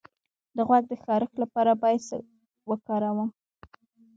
د غوږ د خارش لپاره باید څه وکاروم؟